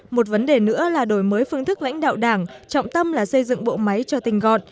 một vấn đề nữa là đổi mới phương thức lãnh đạo đảng trọng tâm là xây dựng bộ máy cho tinh gọn